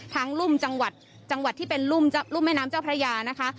รุ่มจังหวัดจังหวัดที่เป็นรุ่มแม่น้ำเจ้าพระยานะคะ